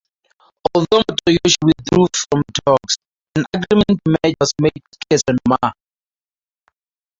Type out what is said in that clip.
Although Motoyoshi withdrew from the talks, an agreement to merge was made with Kesennuma.